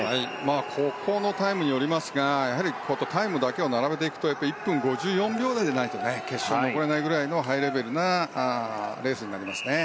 ここのタイムによりますがタイムだけを並べていくと１分５４秒台でないと決勝に残れないくらいのハイレベルなレースになります。